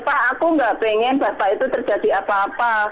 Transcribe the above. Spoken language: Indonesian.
pak aku tidak ingin bapak itu terjadi apa apa